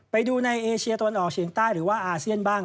ไปดูในเอเชียตะวันออกเฉียงใต้หรือว่าอาเซียนบ้าง